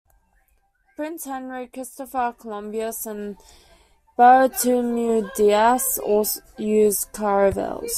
Prince Henry, Christopher Columbus, and Bartolomeu Dias all used caravels.